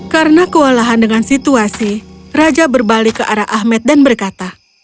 karena kewalahan dengan situasi raja berbalik ke arah ahmed dan berkata